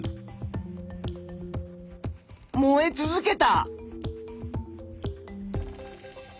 燃え続けた。